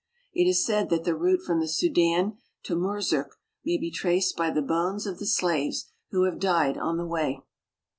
It is said that the route [.from the Sudan to Hurzuk may be traced I by the bones of the ■'slaves who have died Ion the way.